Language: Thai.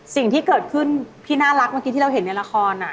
สิ่งที่เกิดขึ้นพี่น่ารักเมื่อกี้ที่เราเห็นในละคร